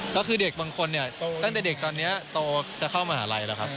ก็ตั้งแต่เด็กตอนนี้โตจะเข้ามหาลัยแล้วครับ